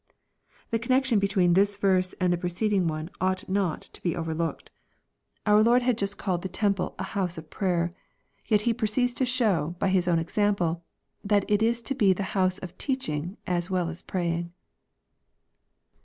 ] The connection between thia verse and the preceding one ought not tx) be overlooked, Om ■LVKB, CHAF. XX. 319 Lord had just called the temple " the house of prayer." Yet He proceeds to show, by His own example, that it is to be the house of " teaching" as weQ as praying.